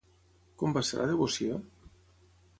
Com va ser la devoció?